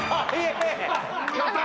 やった！